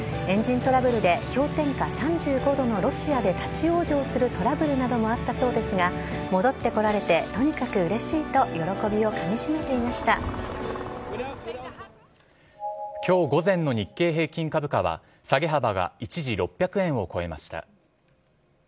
エンジントラブルで氷点下３５度のロシアで立ち往生するトラブルなどもあったそうですが戻ってこられてとにかくうれしいと今日午前の日経平均株価は下げ幅が一時６００円を超えました。